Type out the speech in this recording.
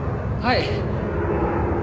はい。